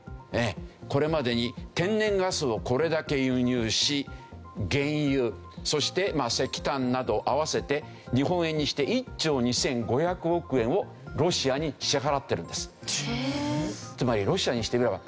これまでに天然ガスをこれだけ輸入し原油そして石炭など合わせて日本円にして１兆２５００億円をロシアに支払ってるんです。